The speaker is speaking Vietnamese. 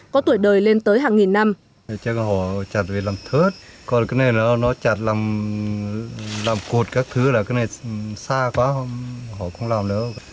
có tuổi đời lên tới hàng nghìn năm